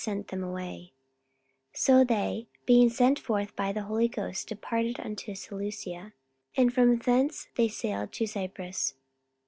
44:013:004 So they, being sent forth by the Holy Ghost, departed unto Seleucia; and from thence they sailed to Cyprus.